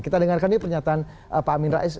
kita dengarkan nih pernyataan pak amin rais